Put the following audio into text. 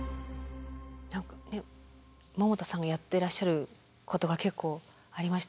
何か百田さんがやってらっしゃることが結構ありましたね。